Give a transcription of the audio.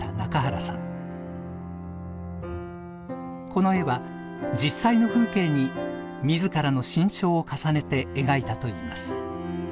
この絵は実際の風景に自らの心象を重ねて描いたといいます。